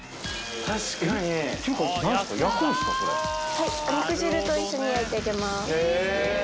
はい肉汁と一緒に焼いてあげます。